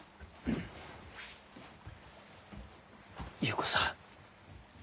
優子さん